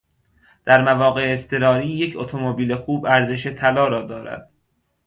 در مواقع اضطراری یک اتومبیل خوب ارزش طلا را دارد.